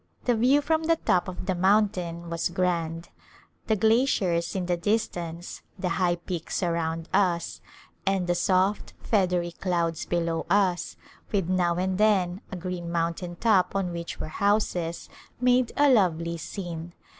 The view from the top of the mountain was grand. The glaciers in the distance, the high peaks around us, and the soft, feathery clouds below us, with now and then a green mountain top on which were houses, made a lovely scene.